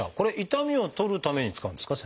痛みを取るために使うんですか？